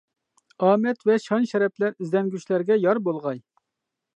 ئامەت ۋە شان-شەرەپلەر ئىزدەنگۈچىلەرگە يار بولغاي!